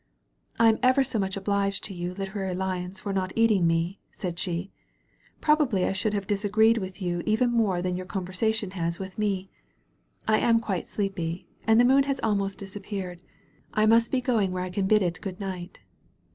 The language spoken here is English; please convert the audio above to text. '*I am ever so much obliged to you Literary Lions for not eating me/' said she. '^Probably I should have disagreed with you even more than your con versation has with me. I am quite sleepy. And the moon has almost disappeared. I must be going where I can bid it good night."